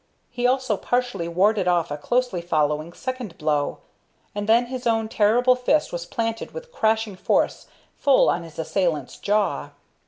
He also partially warded off a closely following second blow, and then his own terrible fist was planted with crashing force full on his assailant's jaw.